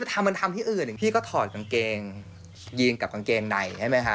ทำมันทำที่อื่นพี่ก็ถอดกางเกงยีนกับกางเกงในใช่ไหมคะ